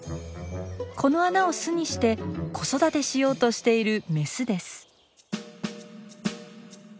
この穴を巣にして子育てしようとしているメスです。